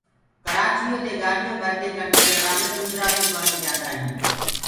ڪرآچيو دي گآڏيونٚ ڀرڪي ڪنٽينرآ مي دوسرآ سوبآ مي ليجآنٚدآ هينٚ